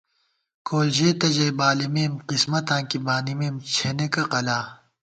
کول ژېتہ ژَئی بالِمېم قِسمَتاں کی بانِمېم چھېنېکہ قلا